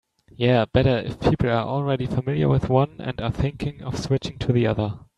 Yeah, better if people are already familiar with one and are thinking of switching to the other.